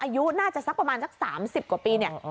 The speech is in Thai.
อายุน่าจะสักประมาณ๓๐กว่าปี